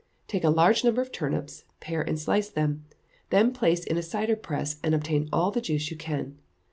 Take a large number of turnips, pare and slice them; then place in a cider press, and obtain all the juice you can.